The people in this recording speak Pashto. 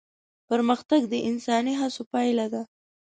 پرمختګ د انساني هڅو پايله ده.